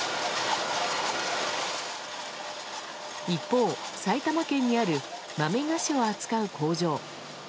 一方、埼玉県にある豆菓子を扱う工場。